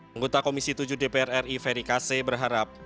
pengguta komisi tujuh dpr ri ferry kase berharap